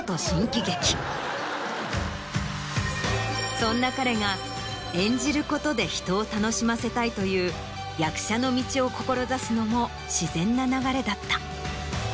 そんな彼が「演じることで人を楽しませたい」という役者の道を志すのも自然な流れだった。